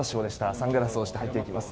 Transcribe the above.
サングラスをして入っていきます。